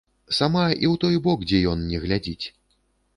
Сама і ў той бок, дзе ён, не глядзіць.